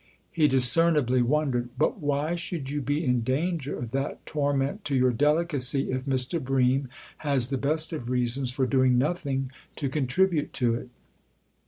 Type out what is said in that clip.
He discernibly wondered. " But why should you be in danger of that torment to your delicacy if Mr. Bream has the best of reasons for doing nothing to contribute to it